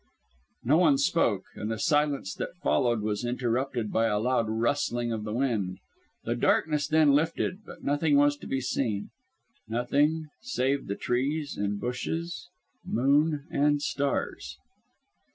No one spoke, and the silence that followed was interrupted by a loud rustling of the wind. The darkness then lifted; but nothing was to be seen nothing save the trees and bushes, moon and stars.